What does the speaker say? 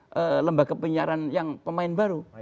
ini akan menjadi lembah kepunyaaran yang pemain baru